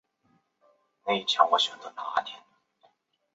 此外精疲力竭的军队可能让海地无法即时应付各种紧急需求。